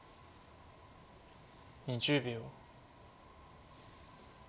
２０秒。